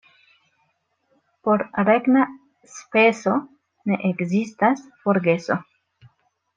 Por regna speso ne ekzistas forgeso.